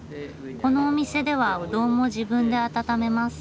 このお店ではうどんも自分で温めます。